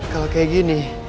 kalau kayak gini